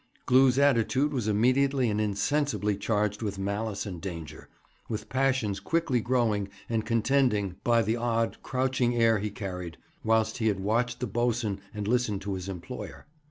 Glew's attitude was immediately and insensibly charged with malice and danger, with passions quickly growing and contending, by the odd, crouching air he carried, whilst he had watched the boatswain and listened to his employer.